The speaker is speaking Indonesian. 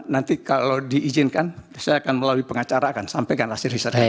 nanti kalau diizinkan saya akan melalui pengacara akan sampaikan hasil risetnya